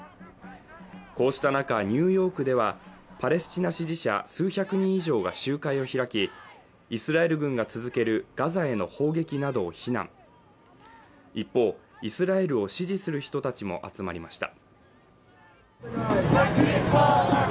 こうした中ニューヨークではパレスチナ支持者数百人以上が集会を開きイスラエル軍が続けるガザへの砲撃など避難一方イスラエルを支持する人たちも集まりました